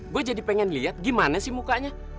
gue jadi pengen lihat gimana sih mukanya